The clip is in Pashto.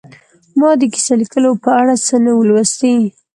ما د کیسه لیکلو په اړه څه نه وو لوستي